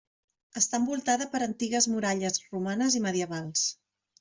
Està envoltada per antigues muralles romanes i medievals.